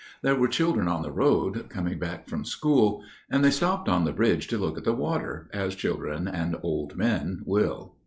There were children on the road, coming back from school, and they stopped on the bridge to look at the water, as children and old men will.